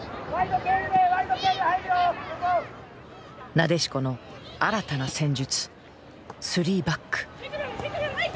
なでしこの新たな戦術３バック。